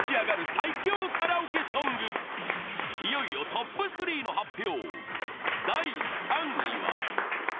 いよいよトップ３の発表